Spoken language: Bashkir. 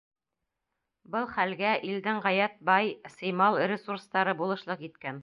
Был хәлгә илдең ғәйәт бай сеймал ресурстары булышлыҡ иткән.